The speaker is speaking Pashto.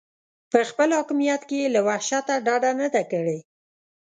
په خپل حاکمیت کې یې له وحشته ډډه نه ده کړې.